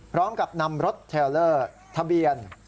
พร้อมกับนำรถเทลเลอร์ทะเบียน